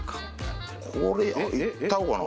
これいったろかな。